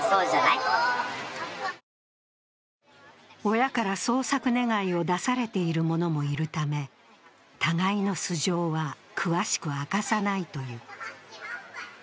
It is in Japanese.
親から捜索願を出されている者もいるため、互いの素性は詳しく明かさないという。